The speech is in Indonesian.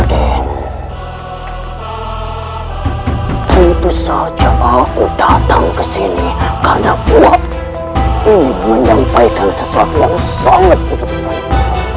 raden tentu saja aku datang ke sini karena gua ingin menyampaikan sesuatu yang sangat penting kepadamu